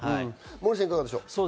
モーリーさんいかがでしょう。